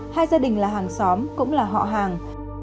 hai gia đình là hàng xóm cũng là họ hàng